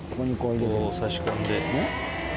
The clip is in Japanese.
棒を差し込んで。